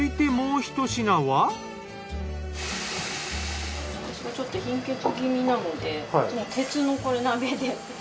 私がちょっと貧血気味なので鉄の鍋で。